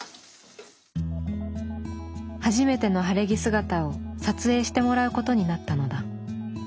初めての晴れ着姿を撮影してもらうことになったのだ。